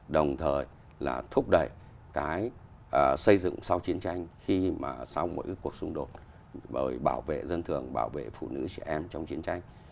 đồng thời là thúc đẩy cái xây dựng sau chiến tranh khi mà sau mỗi cuộc xung đột bởi bảo vệ dân thường bảo vệ phụ nữ trẻ em trong chiến tranh